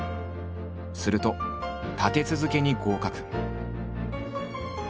すると立て続けに合格。